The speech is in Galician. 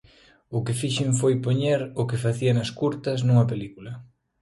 O que fixen foi poñer o que facía nas curtas nunha película.